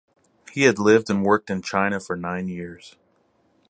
He had lived and worked in China for nine years.